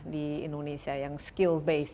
di indonesia yang skill base